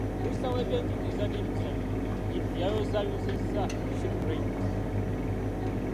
Minisita w'ebyenjigiriza n'emizannyo yayozaayozezza She cranes.